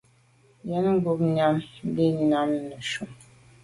Yen ngub nyàm li lam neshu.